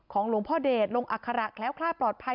หลวงพ่อเดชลงอัคระแคล้วคลาดปลอดภัย